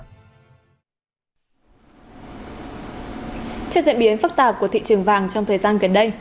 trên diễn biến phức tạp của thị trường vàng trong thời gian gần đây